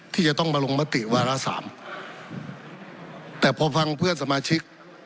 ที่จะต้องมาลงมติวาระสามแต่พอฟังเพื่อนสมาชิก